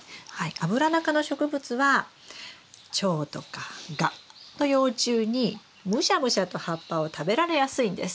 アブラナ科の植物はチョウとかガの幼虫にムシャムシャと葉っぱを食べられやすいんです。